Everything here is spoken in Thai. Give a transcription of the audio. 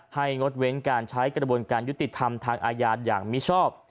งดเว้นการใช้กระบวนการยุติธรรมทางอาญาอย่างมิชอบ